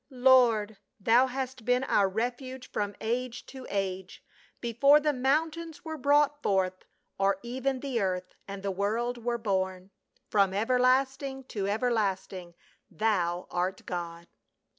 " Lord, Thou hast been our refuge from age to age, Before the mountains were brought forth, Or even the earth and the world were born, From everlasting to everlasting. Thou art God."